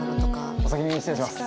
お先に失礼します。